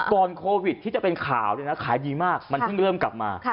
โควิดที่จะเป็นข่าวเนี่ยนะขายดีมากมันเพิ่งเริ่มกลับมา